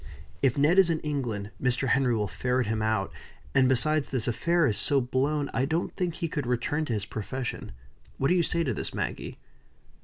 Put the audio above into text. If Ned is in England, Mr. Henry will ferret him out. And, besides, this affair is so blown, I don't think he could return to his profession. What do you say to this, Maggie?"